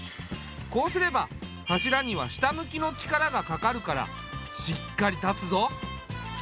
こうすれば柱には下向きの力がかかるからしっかり立つぞ。